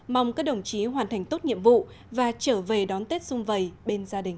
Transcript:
mong các đồng chí hoàn thành tốt nhiệm vụ và trở về đón tết xung vầy bên gia đình